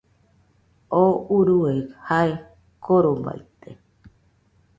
Tú urue jae korobaite